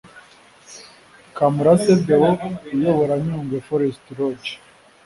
Kamurase Déo uyobora Nyungwe Forest Lodge